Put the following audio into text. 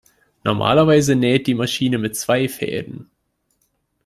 Normalerweise näht die Maschine mit zwei Fäden.